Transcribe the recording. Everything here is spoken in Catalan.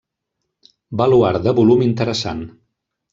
Baluard de volum interessant.